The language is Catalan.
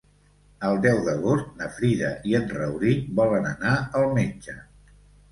El deu d'agost na Frida i en Rauric volen anar al metge.